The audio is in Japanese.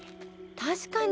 確かに。